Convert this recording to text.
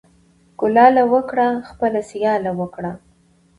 ـ کولاله وکړه خپله سياله وکړه.